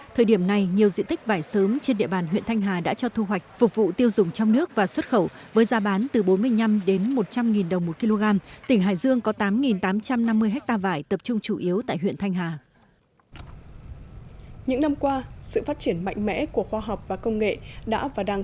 thời điểm này nhiều diện tích vải sớm trên địa bàn huyện thanh hà đã cho thu hoạch phục vụ tiêu dùng trong nước và xuất khẩu với giá bán từ bốn mươi năm đến một trăm linh đồng một kg